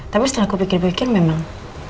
tapi setelah aku pikir pikir memang